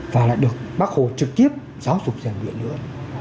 và lại được bác khổ trực tiếp giáo dục giàn viện nữa